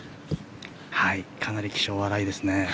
かなり気性が荒いですね。